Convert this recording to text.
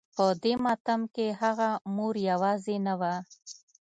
په دې ماتم کې هغه مور يوازې نه وه.